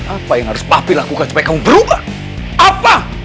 apa yang harus papi lakukan supaya kamu berubah apa